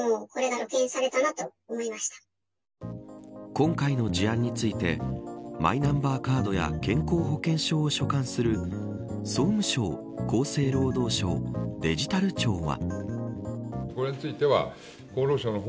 今回の事案についてマイナンバーカードや健康保険証を所管する総務省、厚生労働省デジタル庁は。